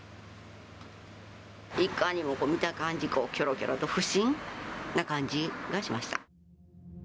いかにも見た感じ、きょろきょろと不審な感じがしました。